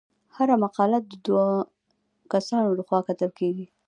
هره مقاله د دوه کسانو لخوا کتل کیږي.